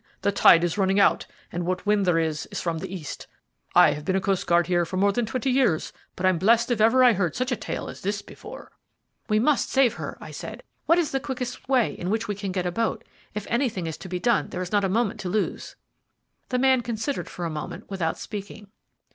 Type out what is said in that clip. "The tide is running out, and what wind there is is from the east. I have been a coastguard here for more than twenty years, but I'm blessed if ever I heard such a tale as this before." "We must save her," I said. "What is the quickest way in which we can get a boat? If anything is to be done, there is not a moment to lose." The man considered for a moment, without speaking.